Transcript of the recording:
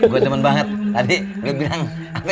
gue temen banget tadi gue bilang